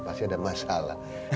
pasti ada masalah